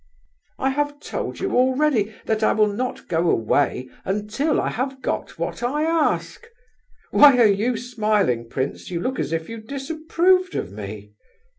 "I have told you already, that I will not go away until I have got what I ask. Why are you smiling, prince? You look as if you disapproved of me."